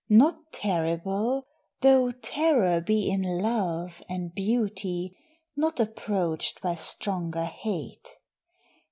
Not terrible, though terror be in love And beauty, not approached by stronger hate.